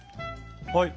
はい。